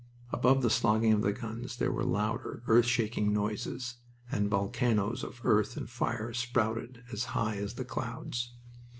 Above the slogging of the guns there were louder, earth shaking noises, and volcanoes of earth and fire spouted as high as the clouds.